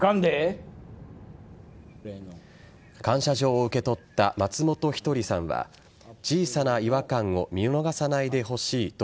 感謝状を受け取った松本一人さんは小さな違和感を見逃さないでほしいと